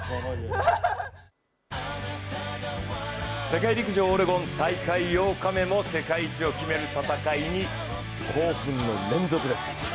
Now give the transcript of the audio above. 世界陸上オレゴン大会８日目も世界一を決める戦いに興奮の連続です。